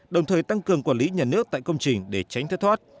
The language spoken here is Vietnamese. đồng thời tăng cường quản lý nhà nước tại công trình để tránh thất thoát